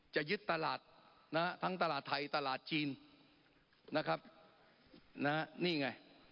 จะยึดตลาดนะฮะทั้งตลาดไทยตลาดจีนนะครับนะฮะนี่ไง